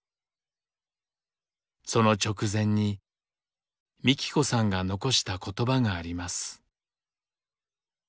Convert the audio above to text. その直前にみき子さんが残した言葉があります。